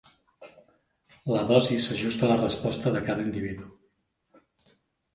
La dosi s'ajusta a la resposta de cada individu.